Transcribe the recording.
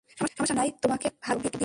সমস্যা নাই তোমাকে দেখে ভালো লাগল, ভিক।